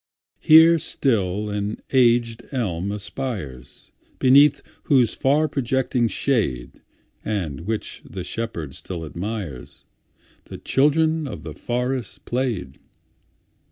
Here still an aged elm aspires, Beneath whose far projecting shade(And which the shepherd still admires)The children of the forest played.